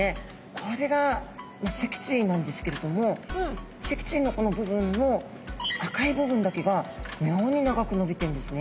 これが脊椎なんですけれども脊椎のこの部分の赤い部分だけが妙に長く伸びてんですね。